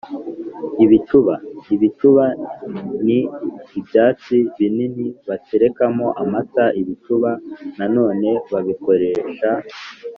bicuba: ibicuba ni ibyansi binini baterekamo amata ibicuba nanone babikoresha